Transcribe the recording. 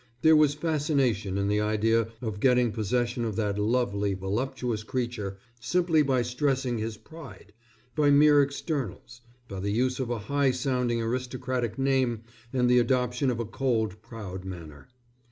There was fascination in the idea of getting possession of that lovely, voluptuous creature simply by stressing his pride, by mere externals, by the use of a high sounding aristocratic name and the adoption of a cold, proud manner.